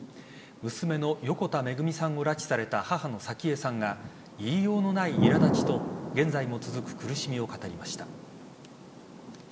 娘の横田めぐみさんを拉致された母の早紀江さんが言いようのないいら立ちと現在も続く苦しみを語りました。